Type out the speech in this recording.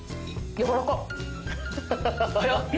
やわらかっ！